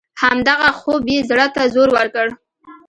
همدغه خوب یې زړه ته زور ورکړ.